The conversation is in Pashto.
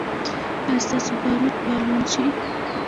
ایا ستاسو باروت به لوند شي؟